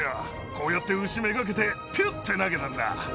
こうやって牛めがけてピュって投げたんだ。